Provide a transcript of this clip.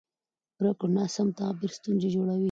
د پرېکړو ناسم تعبیر ستونزې جوړوي